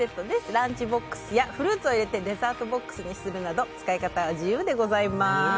ランチボックスやフルーツを入れてデザートボックスにするなど使い方は自由でございます。